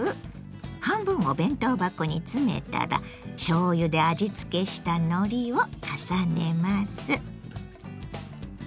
半分を弁当箱に詰めたらしょうゆで味付けしたのりを重ねます。